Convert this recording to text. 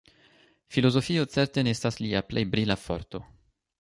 Filozofio certe ne estas lia plej brila forto.